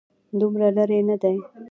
دومره لرې نه دی.